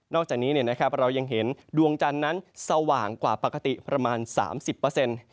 นอกจากนี้เรายังเห็นดวงจานนั้นสว่างกว่าปกติประมาณ๓๐